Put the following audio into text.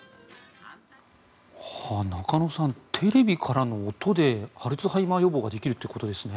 中野さんテレビからの音でアルツハイマー予防ができるということですね。